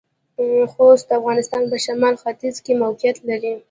خوست د افغانستان پۀ شمالختيځ کې موقعيت لري.